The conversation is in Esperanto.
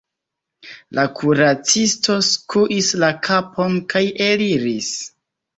La kuracisto skuis la kapon, kaj eliris.